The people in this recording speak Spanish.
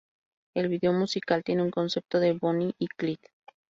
El video musical tiene un concepto de "Bonnie y Clyde".